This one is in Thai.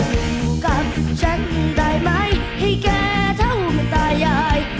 อยู่กับฉันได้ไหมให้แกเท่าตายาย